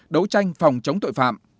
đấu tranh phòng chống tội phạm